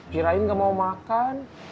kirain gak mau makan